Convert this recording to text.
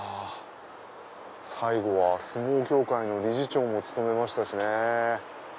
最後は相撲協会の理事長も務めましたしね。